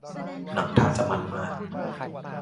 หนังท่าจะมันส์มาก